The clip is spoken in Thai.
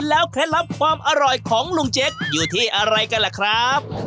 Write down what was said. แล้วเคล็ดลับความอร่อยของลุงเจ๊กอยู่ที่อะไรกันล่ะครับ